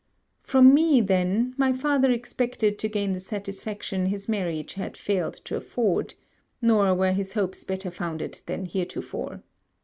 From me then my father expected to gain the satisfaction his marriage had failed to afford; nor were his hopes better founded than heretofore.